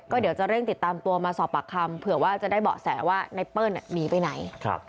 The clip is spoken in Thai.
เดี๋ยวจะเร่งติดตามตัวมาสอบปากคำเผื่อว่าจะได้เบาะแสว่าไนเปิ้ลหนีไปไหน